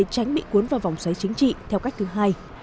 tránh bị cuốn vào vòng xoáy chính trị theo cách thứ hai